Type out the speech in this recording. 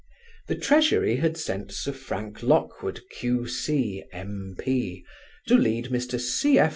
The Treasury had sent Sir Frank Lockwood, Q.C., M.P., to lead Mr. C.